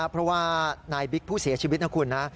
เพราะว่านายบิ๊กผู้เสียชีวิตนะคุณนะ